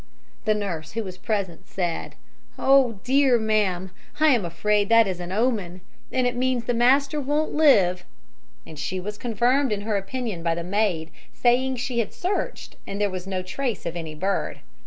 "The nurse, who was present, said: "'Oh, dear, ma'am, I am afraid that is an omen, and means the master won't live,' and she was confirmed in her opinion by the maid saying she had searched, and there was no trace of any bird.